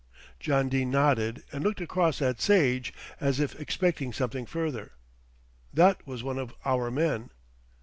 John Dene nodded and looked across at Sage, as if expecting something further. "That was one of our men."